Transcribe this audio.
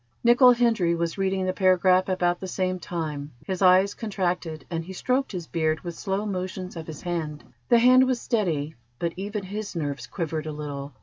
Nicol Hendry was reading the paragraph about the same time. His eyes contracted, and he stroked his beard with slow motions of his hand. The hand was steady, but even his nerves quivered a little.